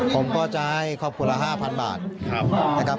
ผมก็จะให้ครอบครัวละ๕๐๐บาทนะครับ